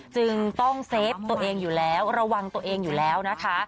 จึงต้องเซฟตัวเองอยู่แล้วระวังตัวเองอยู่แล้วนะคะ